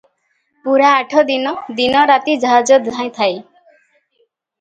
ପୂରା ଆଠ ଦିନ ଦିନ ରାତି ଜାହାଜ ଧାଇଁଥାଏ ।